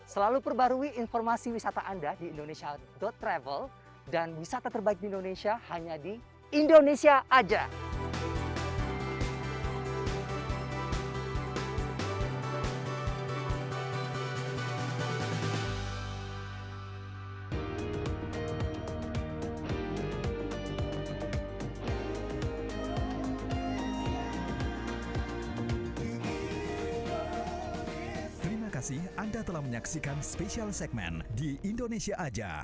selalu perbarui informasi wisata anda di indonesia travel dan wisata terbaik di indonesia hanya di indonesia aja